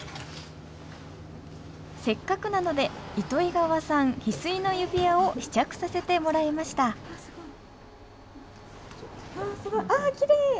せっかくなので糸魚川産ヒスイの指輪を試着させてもらいましたああすごい。ああきれい！